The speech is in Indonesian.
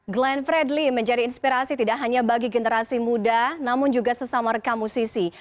glenn fredly menjadi inspirasi tidak hanya bagi generasi muda namun juga sesama rekam musisi